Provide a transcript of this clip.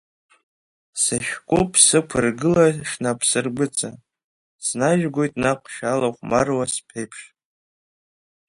Сышәкуп сықәыргылан шәнапсыргәыҵа, снажәгоит наҟ шәалахәмаруа сԥеиԥш.